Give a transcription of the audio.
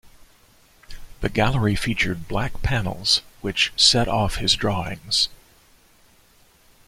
The gallery featured black panels which set off his drawings.